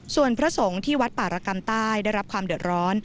ส่วนพระสงฆ์ที่วัดป่ารกรรมใต้ได้รับความเดือดร้อน